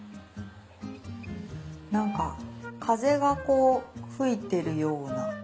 なんか風がこう吹いてるような。